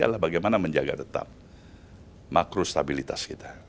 adalah bagaimana menjaga tetap makrostabilitas kita